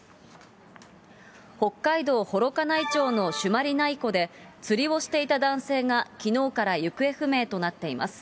北海道幌加内町の朱鞠内湖で、釣りをしていた男性がきのうから行方不明となっています。